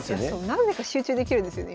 何でか集中できるんですよね